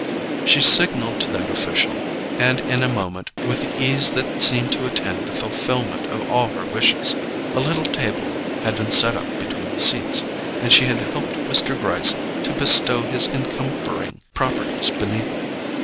She signalled to that official, and in a moment, with the ease that seemed to attend the fulfilment of all her wishes, a little table had been set up between the seats, and she had helped Mr. Gryce to bestow his encumbering properties beneath it.